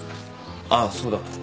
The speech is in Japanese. あっそうだ